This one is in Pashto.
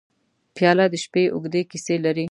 پیاله د شپې اوږدې کیسې لري.